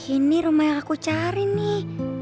ini rumah yang aku cari nih